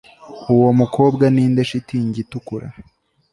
Uwo mukobwa ninde shitingi itukura